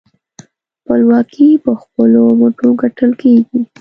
خپلواکي په خپلو مټو ګټل کېږي.